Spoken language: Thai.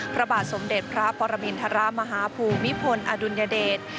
พระบาทสมเด็จพระปรมินทรมาฮภูมิพลอดุลยเดช